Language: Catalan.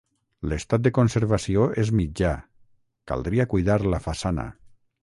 L'estat de conservació és mitjà, caldria cuidar la façana.